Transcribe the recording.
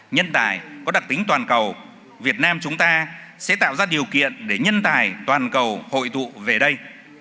nhân tài có đặc tính toàn cầu việt nam chúng ta sẽ tạo ra điều kiện để nhân tài toàn cầu hội tụ về đây